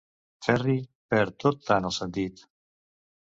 Ferri, perd tot tant el sentit...